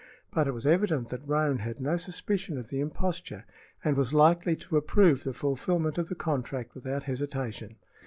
But it was evident that Roane had no suspicion of the imposture and was likely to approve the fulfilment of the contract without hesitation.